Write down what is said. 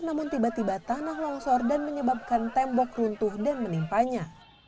namun tiba tiba tanah longsor dan menyebabkan tembok runtuh dan menimpanya